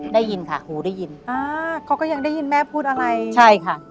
ได้ยินค่ะหูได้ยินอ่าเขาก็ยังได้ยินแม่พูดอะไรใช่ค่ะ